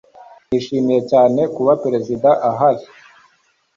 nishimiye cyane kuba perezida ahari